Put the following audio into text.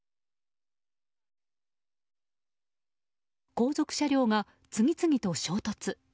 後続車両が次々と衝突。